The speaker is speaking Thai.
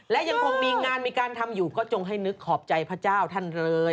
และยังคงมีงานมีการทำอยู่ก็จงให้นึกขอบใจพระเจ้าท่านเลย